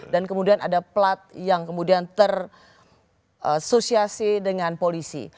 dan kemudian ada plot yang kemudian terasosiasi dengan polisi